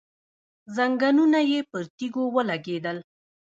ځنګنونه یې پر تيږو ولګېدل.